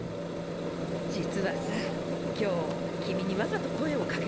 実はさ今日君にわざと声をかけたの。え？